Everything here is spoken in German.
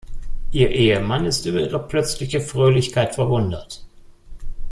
Ihr Ehemann ist über ihre plötzliche Fröhlichkeit verwundert.